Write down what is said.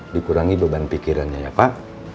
dikurangi beban pikirannya ya pak